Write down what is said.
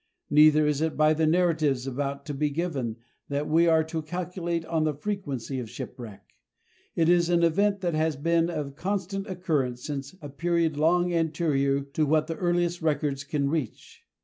Neither is it by the Narratives about to be given that we are to calculate on the frequency of shipwreck. It is an event that has been of constant occurrence since a period long anterior to what the earliest records can reach.